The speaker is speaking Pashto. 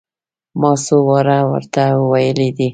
ما څو واره ور ته ويلي دي.